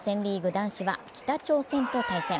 男子は北朝鮮と対戦。